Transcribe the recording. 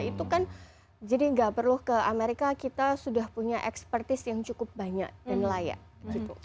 itu kan jadi nggak perlu ke amerika kita sudah punya expertise yang cukup banyak dan layak gitu